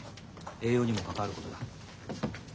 栄養にも関わることだ。